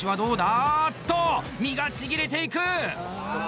あっと、身がちぎれていく！